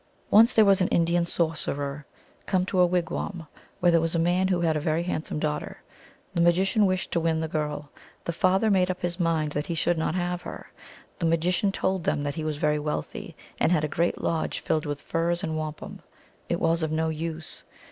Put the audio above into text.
Once there was an Indian sorcerer came to a wig wani where there was a man who had a very handsome daughter. The magician wished to win the girl ; the father made up his mind that he should not have her. The magician told them that he was very wealthy, and had a great lodge filled with furs and wampum. It was of no use.